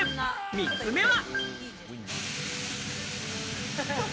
３つ目は。